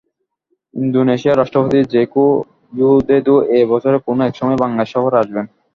ইন্দোনেশিয়ার রাষ্ট্রপতি Joko Widodo এ বছরের কোনো এক সময় বাংলাদেশ সফরে আসবেন।